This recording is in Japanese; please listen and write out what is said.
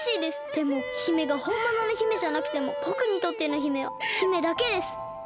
でも姫がほんものの姫じゃなくてもぼくにとっての姫は姫だけです！